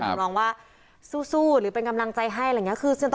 ขอร้องว่าสู้หรือเป็นกำลังใจให้อะไรเงี้ย